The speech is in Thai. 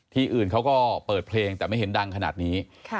อื่นเขาก็เปิดเพลงแต่ไม่เห็นดังขนาดนี้